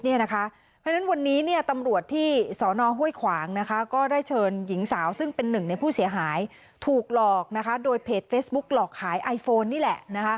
เพราะฉะนั้นวันนี้ตำรวจที่สนห้วยขวางก็ได้เชิญหญิงสาวซึ่งเป็นหนึ่งในผู้เสียหายถูกหลอกโดยเพจเฟซบุ๊กหลอกขายไอโฟนนี่แหละ